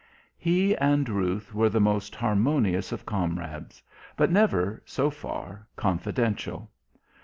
He and Ruth were the most harmonious of comrades, but never, so far, confidential.